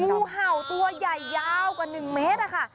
งูเห่าตัวใหญ่ยาวกว่าหนึ่งเมตรค่ะ